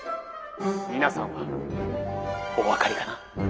皆さんはお分かりかな？